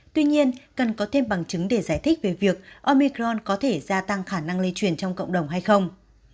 tuy nhiên cần có thêm bằng chứng để giải thích về việc omicron có thể gia tăng khả năng lây truyền trong cộng đồng hay không